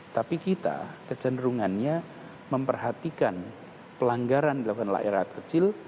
tapi kita kecenderungannya memperhatikan pelanggaran dilakukan oleh rakyat kecil